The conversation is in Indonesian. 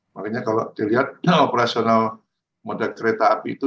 makanya kalau dilihat operasional moda kereta api itu